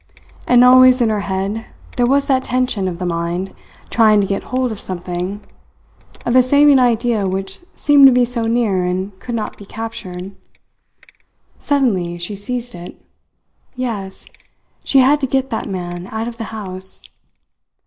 And always in her head there was that tension of the mind trying to get hold of something, of a saving idea which seemed to be so near and could not be captured. Suddenly she seized it. Yes she had to get that man out of the house.